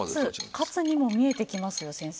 カツカツにも見えてきますよ先生。